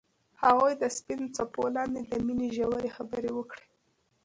هغوی د سپین څپو لاندې د مینې ژورې خبرې وکړې.